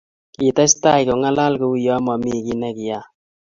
Kitestai kongalal kouyo momi kiy nekiyayak